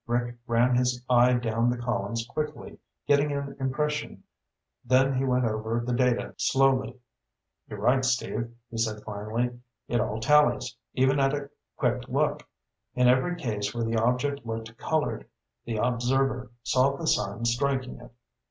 Rick ran his eye down the columns quickly, getting an impression, then he went over the data slowly. "You're right, Steve," he said finally. "It all tallies, even at a quick look. In every case where the object looked colored, the observer saw the sun striking it.